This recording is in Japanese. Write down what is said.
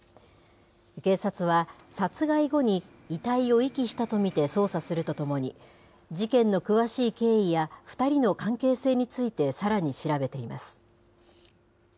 警察は殺害後に遺体を遺棄したと見て捜査するとともに、事件の詳しい経緯や２人の関係性についてさらに調べています。